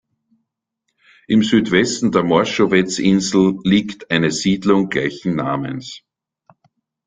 Im Südwesten der Morschowez-Insel liegt eine Siedlung gleichen Namens.